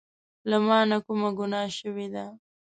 له مانه کومه ګناه شوي ده